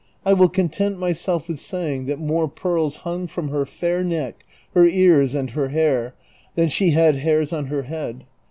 I will content myself with saying that more ])earls hung from her fair neck, her ears, and her hair than she had hairs on her head.